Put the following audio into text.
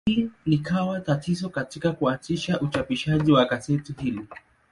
Hili likawa tatizo katika kuanzisha uchapishaji wa gazeti hili.